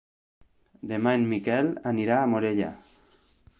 Demà en Miquel anirà a Morella.